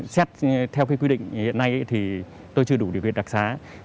xét theo quy định hiện nay tôi chưa đủ điều kiện đặc sá